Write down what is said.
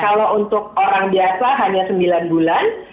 kalau untuk orang biasa hanya sembilan bulan